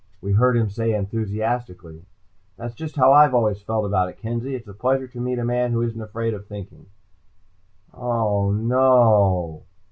We heard him say enthusiastically. "That's just how I've always felt about it, Kenzie. It's a pleasure to meet a man who isn't afraid of thinking." "Oh, no o o!"